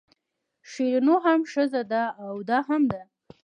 شیرینو هم ښځه ده او دا هم ده.